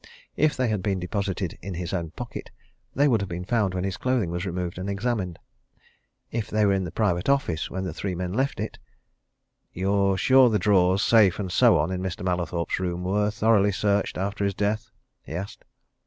If they had been deposited in his own pocket, they would have been found when his clothing was removed and examined. If they were in the private office when the three men left it "You're sure the drawers, safe and so on in Mr. Mallathorpe's room were thoroughly searched after his death?" he asked.